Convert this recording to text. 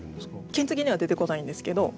金継ぎには出てこないんですけど